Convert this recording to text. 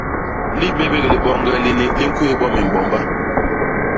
Libébék li boñge lini li ñkwés bo mimbomba.